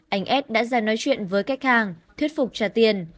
anh ad đã ra nói chuyện với khách hàng thuyết phục trả tiền